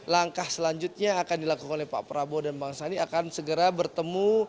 langkah selanjutnya yang akan dilakukan oleh pak prabowo dan bang sandi akan segera bertemu